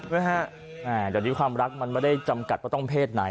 จากนี้ความรักมันไม่ได้จำกัดว่าต้องเพศใน